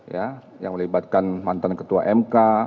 ya yang melibatkan mantan ketua mk